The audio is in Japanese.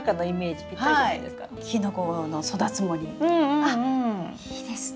あっいいですね。